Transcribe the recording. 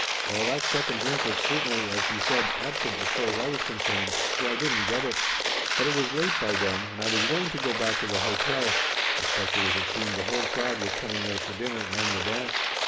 Well, that second drink was, certainly, as he said, absent as far as I was concerned, for I didn't get it. But it was late by then and I was willing to go back to the hotel, especially as it seemed the whole crowd was coming there for dinner and the dance.